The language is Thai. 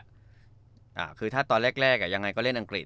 อ่าคือตอนแรกอย่างไรก็เล่นอังกฤษ